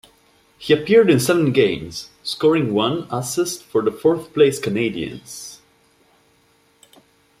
He appeared in seven games, scoring one assist for the fourth place Canadians.